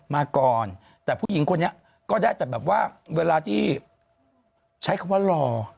มาก่อนแต่ผู้หญิงคนนี้ก็ได้แต่แบบว่าเวลาที่ใช้คำว่ารอ